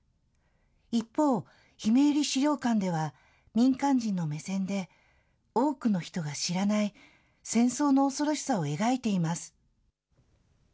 一方、ひめゆり資料館では民間人の目線で、多くの人が知らない戦争の恐ろしさを描いています。